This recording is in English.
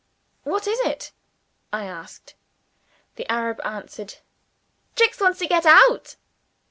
"What is it?" I asked. The Arab answered, "Jicks wants to get out."